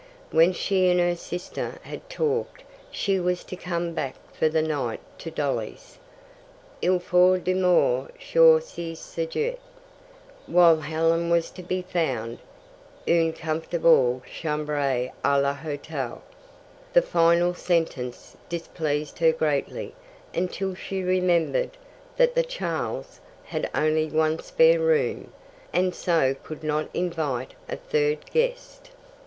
When she and her sister had talked she was to come back for the night to Dolly's. "Il faut dormir sur ce sujet." While Helen was to be found "une comfortable chambre a l'hotel." The final sentence displeased her greatly until she remembered that the Charles' had only one spare room, and so could not invite a third guest.